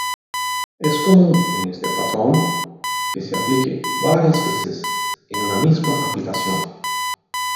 Es común, en este patrón, que se aplique varias veces, en una misma aplicación.